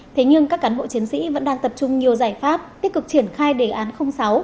thế nhưng các cán bộ chiến sĩ vẫn đang tập trung nhiều giải pháp tích cực triển khai đề án sáu